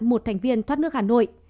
một thành viên thoát nước hà nội